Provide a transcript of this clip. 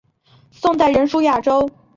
宋代仍属雅州。